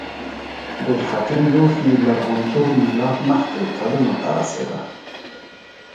د خټین لوښي لرغونتوب میلاد مخکې کلونو ته رسیده.